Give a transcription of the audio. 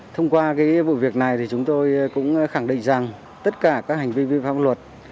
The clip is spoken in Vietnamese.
thông qua vụ việc này thì chúng tôi cũng khẳng định rằng tất cả các hành vi vi phạm pháp luật